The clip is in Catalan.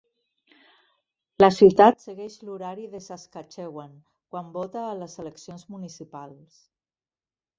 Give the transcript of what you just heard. La ciutat segueix l'horari de Saskatchewan quan vota a les eleccions municipals.